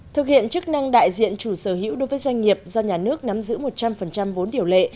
thực hiện chức năng đại diện chủ sở hữu đối với doanh nghiệp do nhà nước nắm giữ một trăm linh vốn điều lệ